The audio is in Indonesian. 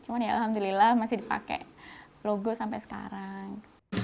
cuman ya alhamdulillah masih dipakai logo sampai sekarang